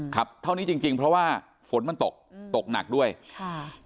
เท่านี้จริงจริงเพราะว่าฝนมันตกอืมตกหนักด้วยค่ะ